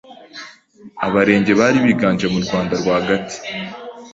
Abarenge bari biganje mu Rwanda rwagati,